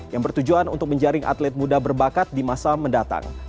yang bertujuan untuk menjaring atlet muda berbakat di masa mendatang